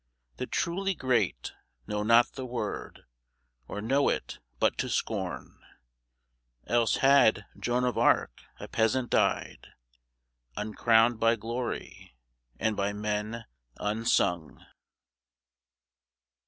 The truly great Know not the word, or know it but to scorn, Else had Joan of Arc a peasant died, Uncrowned by glory and by men unsung.